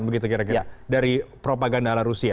begitu kira kira dari propaganda ala rusia